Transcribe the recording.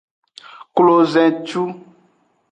Klozincu.